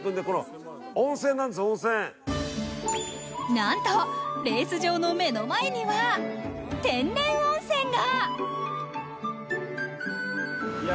なんと、レース場の目の前には天然温泉が！